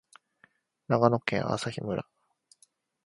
長野県朝日村